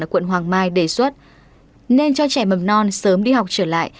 quận hoàng mai đề xuất nên cho trẻ mầm non sớm đi học trở lại